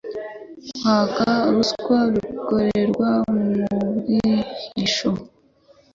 kwaka ruswa bikorerwa m' umbwihisho